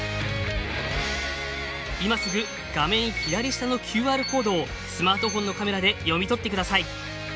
今すぐ画面左下のＱＲコードをスマートフォンのカメラで読み取ってください。